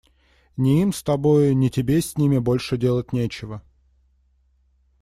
Ни им с тобою, ни тебе с ними больше делать нечего.